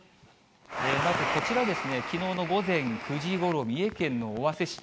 まずこちらですね、きのうの午前９時ごろ、三重県の尾鷲市。